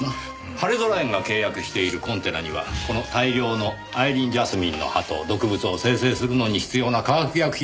はれぞら園が契約しているコンテナにはこの大量のアイリーンジャスミンの葉と毒物を生成するのに必要な化学薬品が揃っていました。